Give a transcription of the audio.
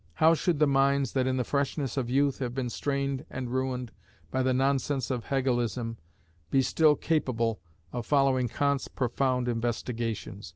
How should the minds that in the freshness of youth have been strained and ruined by the nonsense of Hegelism, be still capable of following Kant's profound investigations?